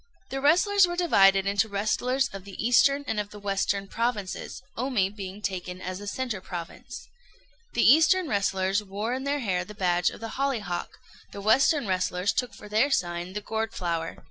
The wrestlers were divided into wrestlers of the eastern and of the western provinces, Omi being taken as the centre province. The eastern wrestlers wore in their hair the badge of the hollyhock; the western wrestlers took for their sign the gourd flower.